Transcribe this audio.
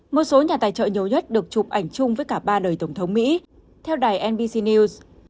một số nhà tài trợ nhiều nhất được chụp ảnh chung với cả ba đời tổng thống mỹ theo đài nbc news